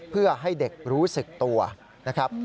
เพื่อให้เด็กรู้สึกตัวนะครับ